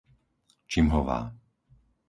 Čimhová